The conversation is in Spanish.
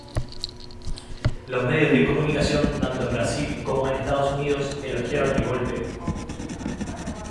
Los medios de comunicación, tanto en Brasil como en Estados Unidos, elogiaron el golpe.